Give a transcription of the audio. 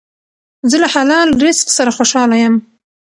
زه له حلال رزق سره خوشحاله یم.